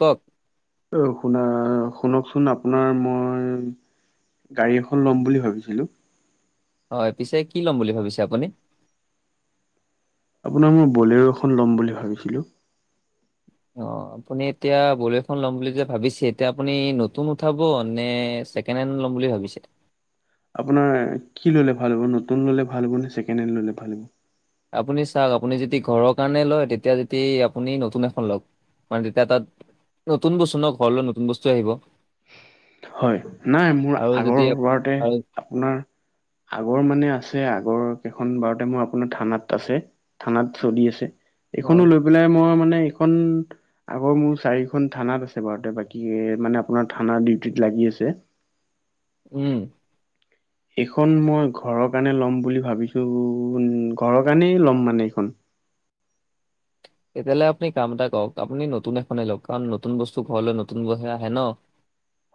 কক অ শুনা শুনকচোন আপোনাৰ মই গাড়ী এখন ল'ম বুলি ভাবিছিলো। হয় পিছে কি ল'ম বুলি ভাবিছে আপুনি আপোনাৰ মই বলেৰো এখন ল'ম বুলি ভাবিছিলো অ আপুনি এতিয়া বলেৰো এখন লম বুলি যে ভাবিছে এতিয়া আপুনি নতুন উঠাব নে? ছেকেণ্ড হেণ্ড ল'ম বুলি ভাবিছে? আপোনাৰ কি ল'লে ভাল হব নতুন ললে ভাল হব নে ছেকেণ্ড হেন ললে ভাল হব। আপুনি চাওক আপুনি যদি ঘৰৰ কাৰণে লয় তেতিয়া যদি আপুনি নতুন এখন লওক। মানে তেতিয়া তাত নতুন বস্তু ন ঘৰলৈ নতুন বস্তু আহিব। হয় নাই মোৰ আৰু যদি আগৰ আপ বাৰতে আৰু আপোনাৰ আগৰ মানে আছে যে আগৰ কেইখন বাৰতে মোৰ আপোনাৰ থানাত আছে থানাত চলি আছে। এইখনো অ' লৈ পেলাই মই মানে এইখন আগৰ মোৰ চাৰিখন থানাত আছে বাৰুতে বাকী মানে আপোনাৰ থানা ডিউটিত লাগি আছে। উম এইখন মই ঘৰৰ কাৰণে ল'ম বুলি ভাবিছো ঘৰৰ কাৰণেই ল'ম মানে এইখন তেতিয়াহালে আপুনি কাম এটা কৰক আপুনি নতুন এখনেই লওক কাৰণ নতুন বস্তু ঘৰলৈ নতুন কৈহে আহে ন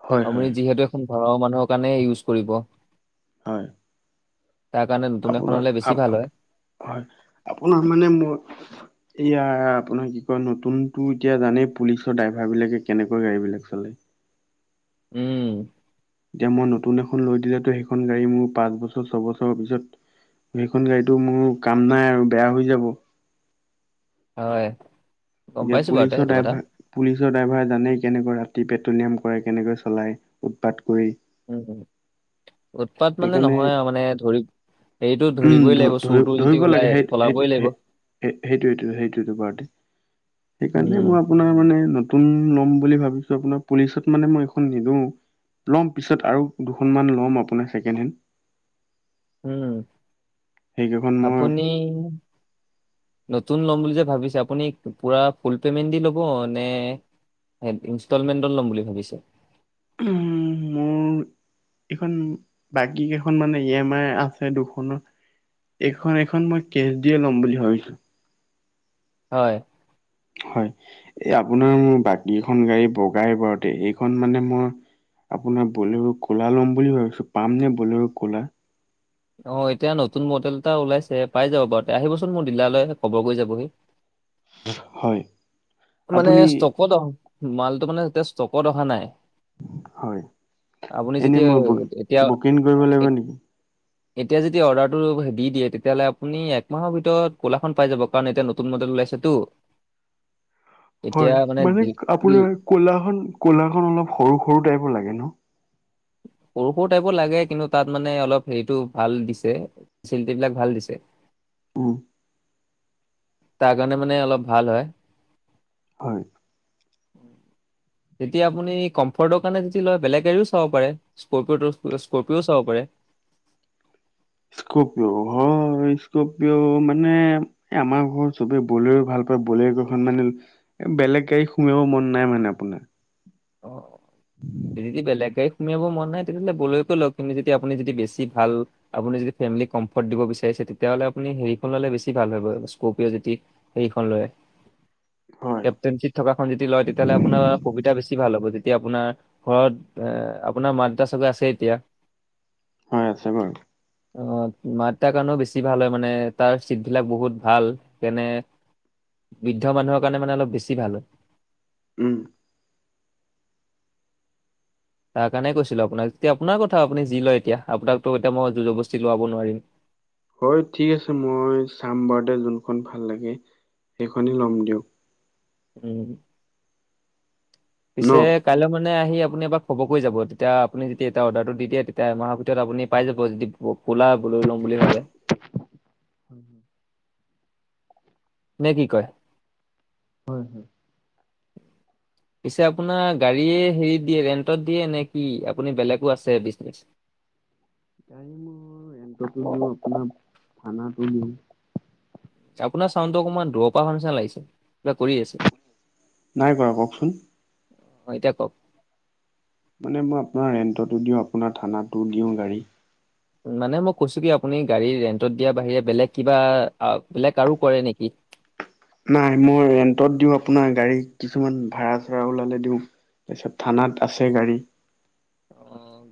হয় আপুনি হয় যিহেতু এখন ঘৰৰ মানুহৰ কাৰণে ইউজ কৰিব হয়। তাৰ কাৰণে নতুন এখন আপোনাৰ হ'লে বেছি ভাল হয়। হয় আপোনাৰ মানে মই এইয়া আপোনাৰ কি কয় নতুনতটো এতিয়া জানেই পুলিচৰ ড্ৰাইভাৰ বিলাকে কেনেকৈ গাড়ী বিলাক চলে। উম এতিয়া মই নতুন এখন লৈ দিলেতো সেইখন গাড়ী মোৰ পাঁচ বছৰ ছয়বছৰ পিছত সেইখন গাড়ীতো মোৰ কাম নাই আৰু বেয়া হৈ যাব। হয়। গম এতিয়া পাইছোঁ বাৰু তে পুলিচৰ সেইটো কথা। ড্ৰাইভাৰ পুলিচৰ ড্ৰাইভাৰে জানেই কেনেকৈ ৰাতি পেট্ৰলিয়াম কৰে কেনেকৈ চলাই উৎপাত কৰি উম উৎপাত মানে সেইকাৰণে নহয় আৰু মানে ধৰি সেইটো উম ধৰিবই ধ লাগিব চুৰটো যদি ওলাই পলাবই লাগিব। সেইটোৱেতো সেইটো পাৰ্টি সেইকাৰণে উম, মই আপোনাৰ মানে নতুন ল'ম বুলি ভাবিছো আপোনাৰ পুলিচত মানে মই এইখন নিদিওঁ। ল'ম পিছত আৰু দুখনমান ল'ম আপোনাৰ ছেকেণ্ড হেণ্ড উম সেইকেইখন মই আপুনি নতুন ল'ম বুলি যে ভাবিছে আপুনি পুৰা ফুল পেমেণ্ট দি ল'ব নে? ইনষ্টলমেন্টত ল'ম বুলি ভাবিছে। উম মোৰ এইখন বাকী কেইখন মানে ই এম আই আছে দুখনৰ এইখন এইখন মই কেচ দিয়ে ল'ম বুলি ভাবিছো। হয়। হয় এই আপোনাৰ বাকীকেইখন গাড়ী লগাই ঘৰতে এইখন মানে মই আপোনাৰ বলেৰু ক'লা ল'ম বুলি ভাবিছো পাম নে বলেৰু ক'লা অ এতিয়া নতুন মডেল এটা ওলাইছে পাই যাব বাৰু আহিবচোন মোৰ দিলালৈ খবৰ কৰি যাবহি হয়। মানে আপুনি ষ্টকত অ মালটো মানে এতিয়া ষ্টকত অহা নাই। হয় আপুনি এনে যেতিয়া মই এতিয়া বুকিং কৰিব লাগিব নেকি? এতিয়া যদি অৰ্ডাৰটো দি দিয়ে তেতিয়াহলে আপুনি এক মাহৰ ভিতৰত ক'লাখন পাই যাব কাৰণ এতিয়া নতুন মডেল ওলাইছে তো হয় মানে আপোনাৰ কোলাখন কোলাখন অলপ সৰু সৰু টাইপৰ লাগে ন [inaudible] সৰু- সৰু টাইপৰ লাগে কিন্তু তাত মানে অলপ হেৰিটো ভাল দিছে, চিলটিবিলাক ভাল দিছে। উম। তাৰ কাৰণে মানে অলপ ভাল হয়। হয়। [unintelligible] যেতিয়া আপুনি কমফৰ্টৰ কাৰণে যদি লয় বেলেগ গাড়ীও চাব পাৰে, স্কৰপিঅ'টো স্কৰপিঅ'ও চাব পাৰে। [unintelligible] স্কপিঅ হয় স্কপিঅ মানে আমাৰ ঘৰত চবে বলেৰ ভাল পায়। বলেৰ কখন মানে এ বেলেগ গাড়ী হুমিয়াবো মন নাই মানে আপোনাৰ। অ দিদি বেলেগ গাড়ী সুমিয়াব মন নাই তেতিয়াহলে বলেৰকে লক, আপুনি যেতিয়া আপুনি যদি বেছি ভাল আপুনি যদি ফেমিলি কমফৰ্ট দিব বিচাৰিছে। তেতিয়াহলে আপুনি হেৰিখন ললে বেছি ভাল হয় স্কপিঅ যে হেৰিখন লয়। হয়। কেপটেনশ্বিপ থকা খন যদি লয় তেতিয়াহলে আপোনাৰ সুবিধা বেছি ভাল যেতিয়া আপোনাৰ ঘৰত এ আপোনাৰ মা- দেউতা চবে আছে এতিয়া হয় আছে বাৰু। অ মাত দেতা কাৰণেও বেছি ভাল হয় মানে তাৰ চিটবিলাক বহুত ভাল সেইকাৰনে বৃদ্ধ মানুহৰ কাৰণে মানে অলপ বেছি ভাল হয়। উম। তাৰ কাৰণে কৈছিলোঁ আপোনাক, এতিয়া আপোনাৰ কথা এতিয়া যি লয় এতিয়া আপোনাকতো এতিয়া মই জুৰ জবৰজস্তি লোৱাব নোৱাৰিম। হয় ঠিক আছে, মই চাম বাৰু দে যোনখন ভাল লাগে। সেইখনে ল'ম দিয়ক। উম। ন? পিছে কাইলৈ মই নাই আহি আপুনি এবাৰ খবৰ কৰি যাব, তেতিয়া আপুনি যদি এটা অৰ্ডাৰটো দি দিয়ে তেতিয়া এমাহৰ ভিতৰত আপুনি পাই যাব যদি কোলা লৈ লম বুলি ভাবে। [inaudible] নে কি কয়? হয়। [unintelligible] পিছে আপোনাৰ গাড়ীয়ে হেৰি দিয়ে ৰেন্টত দিয়ে নে কি আপুনি বেলেগো আছে বিচনেছ? [unintelligible] গাড়ি মই ৰেন্ত অ [inaudible] ত ও দিওআপাৰ বানত ও দিও। আপোনাৰ চাউণ্ডটো অকণমান দূৰৰ পৰা অহা নিচিনা লাগিছে, কিবা কৰি আছে? নাই কৰা কওকচোন? অ এতিয়া কওক? মানে মই আপোনাৰ ৰেন্টতো দিওঁ, আপোনাৰ থানাতো দিওঁ গাড়ী। মানে মই কৈছো কি আপুনি গাড়ী ৰেন্টত দিয়াৰ বাহিৰে বেলেগ কিবা বেলেগ আৰু কৰে নেকি? [unintelligible] নাই মই ৰেন্টত দিওঁ আপোনাৰ গাড়ী কিছুমান ভাড়া চাড়া ওলালে দিওঁ। তাৰপিছত থানাত আছে গাড়ী। অ।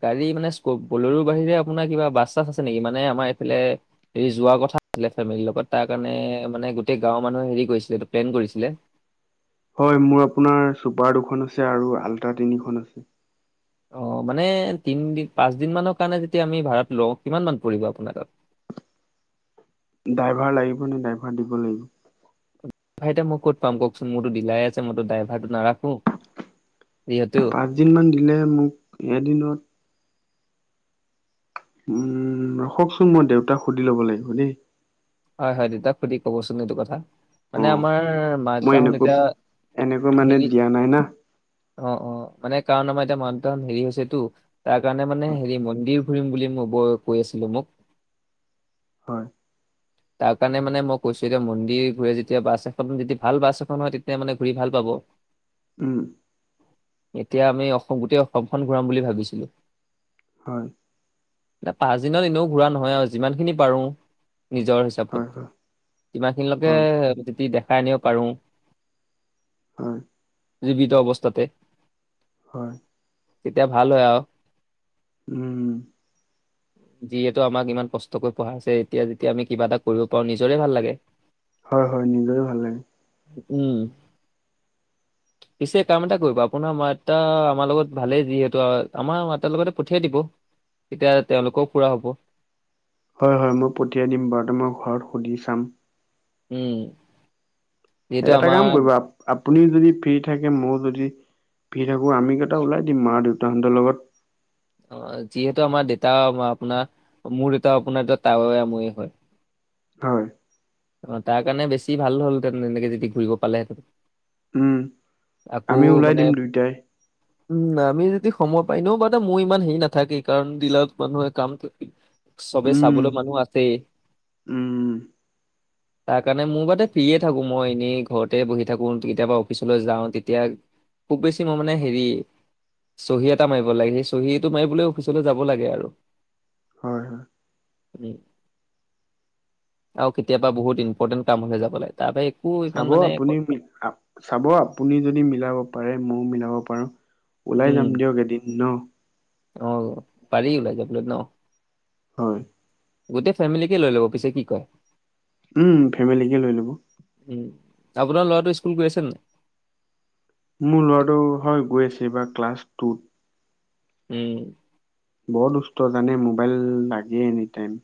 গাড়ী মানে স্কৰ বলেৰো বাহিৰে আপোনাৰ কিবা বাছ -চাছ আছে নেকি, মানে আমাৰ এইফালে হেৰি যোৱা কথা আছিলে ফেমিলিৰ লগত, তাৰ কাৰণে মানে গোটেই গাঁৱৰ মানুহে হেৰি কৰিছিলে প্লেন কৰিছিলে। হয় মোৰ আপোনাৰ চুপাৰ দুখন আছে আৰু আল্ট্ৰা তিনিখন আছে। অ মানে তিনদি পাঁচদিন মানৰ কাৰণে যেতিয়া আমি ভাড়াত লওঁ, কিমান মান পৰিব আপোনাৰ তাত? [inaudible] ড্ৰাইভাৰ লাগিব নে ড্ৰাইভাৰ দিব লাগিব? ভাই এতিয়া মই কত পাম ক' কচোন মোৰতো দিলাৰে আছে মইতো ড্ৰাভাৰ টো নাৰাখো যিহেতু [inaudible] পাঁচ দিন মান দিলে মোক এদিনত উম, ৰখকচোন মই দেউতাক সুধি ল'ব লাগিব দেই হয়- হয় দেউতাক সুধি কবচোন এইটো কথা অ মানে আমাৰ মাক- মই দেতাহোন এনেকৈ এতিয়া এনেকৈ মানে হেৰি দিয়া নাই না অ', - অ', মানে কাৰণ আমাৰ এতিয়া মন তন হেৰি হৈছেতো। তাৰ কাৰণে মানে হয় হেৰি মন্দিৰ ঘুৰিম বুলি মই ব কৈ আছি ন [unintelligible] হয়। তাৰ কাৰণে মানে মই কৈছো এতিয়া। মন্দিৰ ঘূৰে যেতিয়া বাছ এখন ভাল বাছ এখন হয়, তেতিয়া মানে ঘূৰি ভাল পাব। [inaudible] উম এতিয়া আমি অসম গোটেই অসমখন ঘূৰাম বুলি ভাবিছিলোঁ। হয় না পাচ দিনত এনেও ঘূৰা নহয় আৰু যিমান খিনি পাৰো নিজৰ জাপত হয় হয় কিব খিনিলৈকে হয় যদি দেখাই আনিব পাৰুং হয় [inaudible] জীৱিত অৱস্থাতে হয় [inaudible] তেতিয়া ভাল হয় আওঁ। উম [inaudible] যিহেতু আমাক ইমান কষ্টকৈ পঢ়াইছে এতিয়া যেতিয়া আমি কিবা এটা কৰিব পাৰো নিজৰে ভাল লাগে। হয়, হয়। নিজৰো ভাল লাগে। উম। পিছে কাম এটা কৰিব। আপোনাৰ মাততা আমাৰ লগত ভালেই যিহেতু আমাৰ মাততাৰ লগতে পঠিয়াই দিব। তেতিয়া তেওঁলোকেও ফুৰা হ'ব। হয়, হয়। মই পঠিয়াই দিম বাৰু। মই ঘৰত সুধি চাম। উম। যিহেতু এটা কাম আমাৰ কৰিব আপুনিও যদি ফ্ৰী থাকে, মই যদি ফি থাকো আমি কেইটা ওলাই দিম মা দেউতাহঁতৰ লগত। যিহেতু আমাৰ দেতা আপোনাৰ মোৰ দেতাও আপোনাৰ এতিয়া তাৱৈ আমৈ হয়। হয়। অ, তাৰ কাৰণে বেছি ভাল হলহেঁতেন তেনেকে যদি ঘূৰিব পালেহেঁতেন। উম, আকৌ আমিও ওলাই মানে দিম দুইটাই। উম, আমি যদি সময় পাই ন বাে মোৰ ইমান হেৰি নাথাকেই কাৰণ দিলত মানুহে কামটো চবে উম চাবলৈ মানুহ আছেই। উম তাৰ কাৰণে মোৰ বাদে ফ্ৰী এ থাকো মই। এনেই ঘৰতে বহি থাকো। কেতিয়াবা অফিচলৈ যাওঁ। তেতিয়া খুব বেছি মই মানে হেৰি চহী এটা মাৰিব লাগে। সেই চহীটো মাৰিবলৈ অফিচলৈ যাব লাগে আৰু। হয়, হয়। উ আৰু কেতিয়াবা বহুত ইম্পৰ্টেণ্ট কাম হলে যাব লাগে। তাৰ বা চাব আপুনি, চাব আপুনি যদি মিলাব পাৰে মইও মিলাব পাৰো। ওলাই উম যাম দিয়ক এদিন, ন? অ পাৰি ওলাই যাবলে ন। হয়। গোটেই ফেমিলিকে লৈ ল'ব পিছে কি কয়। উম ফেমিলিকে লৈ ল'ব। উম আপোনাৰ ল'ৰাটো স্কুল গৈ আছে নাই? মোৰ ল'ৰাটো, হয় গৈ আছে। এইবাৰ ক্লাছ টুত। উম। বৰত দুষ্ট জানে, মোবাইল লাগে এনিটাইম।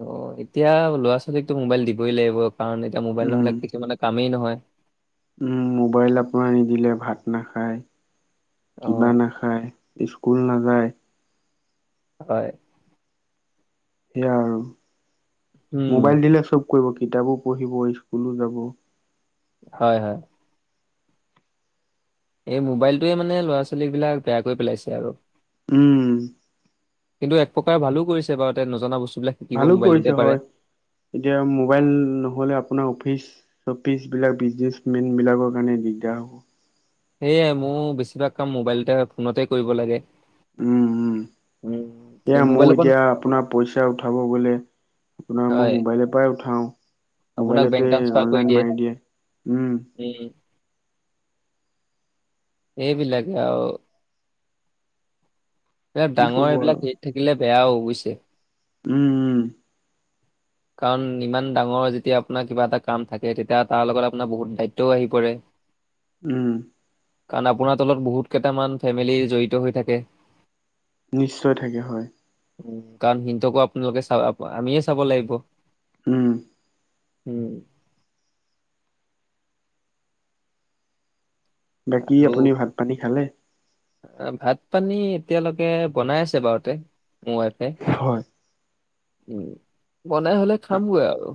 অ, এতিয়া ল'ৰা ছোৱালীকতো মোবাইল দিবই লাগিব। কাৰণ এতিয়া মোবাইল উম, নহ'লে কিছুমানে কামেই নহয়। [inaudible] উম, মোবাইল আপোনাৰ নিদিলে ভাত নাখায়, অ কিবা নাখায়। স্কুল নাযায়। হয়। সেয়া আৰু উম মোবাইল দিলে চব কৰিব। কিতাপো পঢ়িব, স্কুলো যাব। হয়, হয়। এই মোবাইলটোৱে মানে ল'ৰা ছোৱালী বিলাক বেয়াকৈ পেলাইছে আৰু। উম। কিন্তু এক প্ৰকাৰ ভালো কৰিছে বাৰু তে নজনা বস্তু ভালো কৰিছে হয় এতিয়া মোবাইল নহলে আপোনাৰ অফিচ চ' পিছ বিলাক বিজনেচমেন বিলাকৰ কাৰণে দিগদাৰ হ'ব। সেয়াই মোৰ বেছিভাগ কাম মোবাইলতে বা ফোনতে কৰিব লাগে। উম, উম। এয়া মোৰ মোবাইলৰ পৰা এতিয়া আপোনাৰ পইচা উঠাব গ'লে আপোনাৰ মই হয়, মোবাইলৰ পৰাই উঠাও। আপোনাক বেংক মোবাইলতে ট্ৰাসফাৰ অনলাইন কৰি দিয়ে। মাৰি উম, উম। এইবিলাকে আৰু। এইবিলাক কি ডাঙৰ ক'ব আৰু এইবিলাক হেৰিত থাকিলে বেয়াও বুইছে। উম, উম। কাৰণ ইমান ডাঙৰ যেতিয়া আপোনাৰ কিবা এটা কাম থাকে তেতিয়া তাৰ লগত আপোনাৰ বহুত দায়িত্বও আহি পৰে উম কাৰণ আপোনাৰ তলত বহুত কেইটামান ফেমিলি জড়িত হৈ থাকে নিশ্চয় থাকে হয়। উম, কাৰণ হিন্তকো আপোনালোকে চাব আমিয়ে চাব লাগিব। উম উম বাকী আৰু আপুনি ভাত- পানী খালে? ভাত -পানী এতিয়ালৈকে বনাই আছে বাৰুতে মোৰ ৱাইফে। হয়। উম বনাই হ'লে খামগৈ আৰু।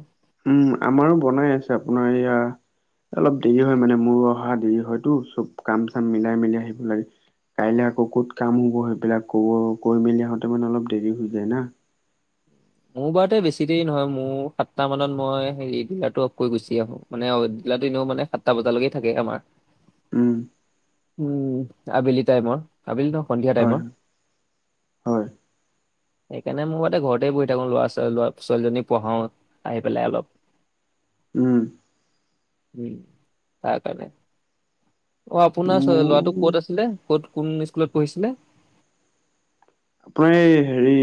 উম, আমাৰো বনাই আছে আপোনাৰ এয়া অলপ দেৰি হয় মানে মোৰ অহা দেৰি হয়তো, চব কাম চাম মিলাই- মিলি আহিব লাগে। কাইলৈ আকৌ ক'ত কাম হব সেইবিলাক কব কৈ মেলি আহোঁতে মানে অলপ দেৰি হৈ যায় না মোৰ বাৰতে বেছি দেৰি নহয় মোৰ সাতটা মানত মই হেৰি ডিলাৰটো অফ কৰি গুচি আহো মানে ডিলাৰটো এনেও মানে সাতটা বজালৈকে থাকে আমাৰ। উম, উম, আবেলি টাইমৰ আবেলি ন' সন্ধিয়া হয় টাইমৰ। হয় [inaudible] সেইকাৰণে মোৰ মতে ঘৰতে বহি থাকো লৰা- ছোৱালী, লৰা -ছোৱালীজনী পঢ়াও আহি পেলাই অলপ। উম উম, তাৰ কাৰণে আপোনাৰ মোৰ ল'ৰাটো ক'ত আছিলে? ক'ত কোন স্কুলত পঢ়িছিলে? আপোনাৰ এই হেৰি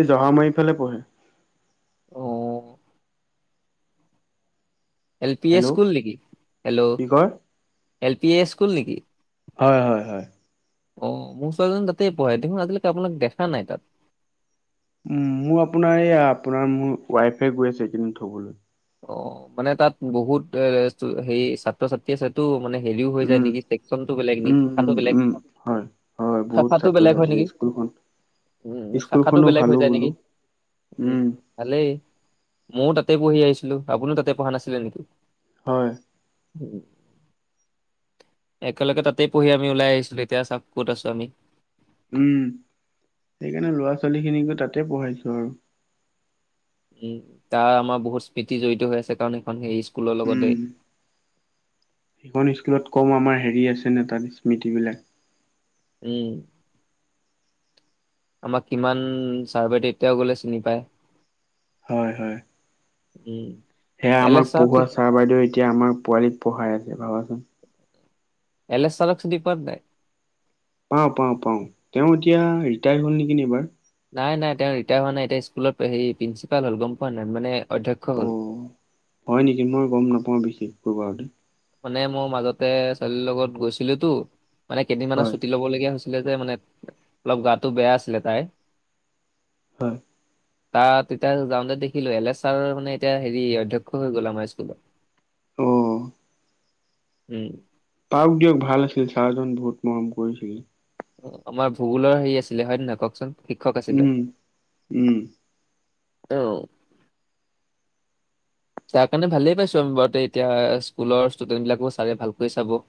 এই জহা মাৰি ফালে পঢ়ে। ঔ এল পি এ হেল্ল' স্কুল নেকি? হেল্ল' কি কয়? এল পি এ স্কুল নেকি? হয় -হয় -হয়। অহ, মোৰ ছোৱালীজনী তাতেই পহে দেখোন আজিলৈকে আপোনাক দেখা নাই তাত। উম, মোৰ আপোনাৰ এইয়া আপোনাৰ মোৰ ৱাইফে গৈ আছে এইকেইদিন থবলৈ। অহ, মানে তাত বহুত এ হেৰি ছাত্ৰ- ছাত্ৰী আছেটো মানে দেৰিও হৈ যায় উম, নেকি চেকচনটো বেলেগ নেকি উম, নিখাটো উম, বেলেগ উম, হয়, হয়, বহুত শাখাটো ছাত্ৰ বেলেগ হয় ছাত্ৰী নেকি? স্কুলখন উম, শাখাটো স্কুলখনো বেলেগ হৈ ভালো যায় নেকি? বোলো উম ভালেই ময়ো তাতে পঢ়ি আহিছিলো আপুনিও তাতে পঢ়া নাছিলে নিকি? হয়। [unintelligible] একেলগে তাতেই পঢ়ি আমি ওলাই আহিছিলো এতিয়া চাক ক'ত আছো আমি। উম, সেইকাৰণে লৰা- ছোৱালীখিনিকো তাতে পঢ়াইছো আৰু উম, তাৰ আমাৰ বহুত স্মৃতি জড়িত হৈ আছে কাৰণ এইখন হে স্কুলৰ লগতে উম, সেইখন স্কুলত কম আমাৰ হেৰি আছেনে তাত স্মৃতিবিলাক। উম। আমাক কিমান চাৰ্ভে তেতিয়াও গ'লে চিনি পায়। হয় হয়। উম। সেয়া এল এছ আমাক ছাৰক পঢ়োৱা চি- ছাৰ বাইদেউ এতিয়া আমাৰ পোৱালী পঢ়াই আছে ভাবাচোন। এলেচ চাৰক চিনি পোৱানে নাই? পাওঁ -পাওঁ -পাওঁ -তেওঁ এতিয়া ৰিটায়াৰদ হল নেকি এইবাৰ নাই -নাই তেওঁ ৰিটায়াৰ হোৱা নাই এতিয়া স্কুলত হেৰি প্ৰিনচিপাল হল গম পোৱা নাই মানে অধ্যক্ষ হ'ল। অহ, হয় নেকি মই গম নাপাও বিশেষ [unintelligible] মানে মোৰ মাজতে ছোৱালী লগত গৈছিলো তো মানে কেইদিনমানৰ হয়, ছুটি ল'ব লগীয়া হৈছে। ছিলে যে মানে অলপ গাটো বেয়া আছিলে তাইৰ হয়। তাত এতিয়া যাওঁতে দেখিলো এল এছ ছাৰৰ মানে এতিয়া হেৰি অধ্যক্ষ হৈ গ'ল আমাৰ স্কুলত। অ। উম। তাক দিয়ক ভাল আছিল চাৰজন বহুত মৰম কৰিছিল। অ আমাৰ ভূগোলৰ হেৰি আছিলে হয়নে নহয় কওকচোন। শিক্ষক উম উম। অহ। তাৰ কাৰণে ভালেই পাইছো আমি বাৰতে এতিয়া স্কুলৰ ষ্টুডেণ্ট বিলাকো চাৰে ভালকৈ চাব।